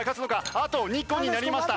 あと２個になりました。